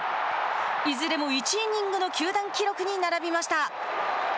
いずれも１イニングの球団記録に並びました。